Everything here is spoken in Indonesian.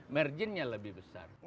merginnya lebih besar